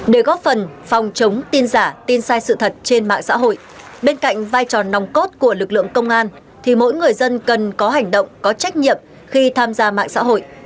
để góp phần phòng chống tin giả tin sai sự thật trên mạng xã hội bên cạnh vai trò nòng cốt của lực lượng công an thì mỗi người dân cần có hành động có trách nhiệm khi tham gia mạng xã hội